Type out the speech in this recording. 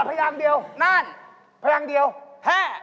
ทุเรียนเจ้าหวัดพยางเดียวนาน